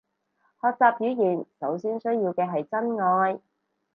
學習語言首先需要嘅係真愛